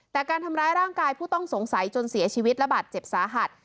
แต่การทำร้ายร่างกายผู้ต้องสงสัยจนเสียชีวิตและบาดเจ็บสาหัส